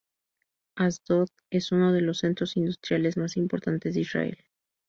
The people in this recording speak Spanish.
Asdod es uno de los centros industriales más importantes de Israel.